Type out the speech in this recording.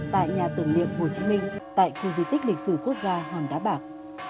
tại nhà tưởng niệm hồ chí minh tại khu di tích lịch sử quốc gia hòn đá bạc